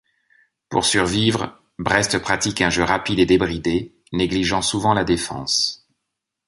Pour survivre, Brest pratique un jeu rapide et débridé, négligeant souvent la défense.